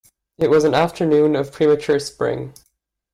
It was an afternoon of premature spring.